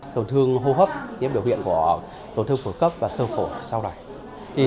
tổn thương hô hấp tiếp biểu hiện của tổn thương phổ cấp và sơ phổ sau này